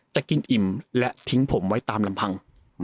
กินอิ่มและทิ้งผมไว้ตามลำพัง